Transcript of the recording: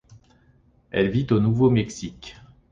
Elle vit au Nouveau-Mexique.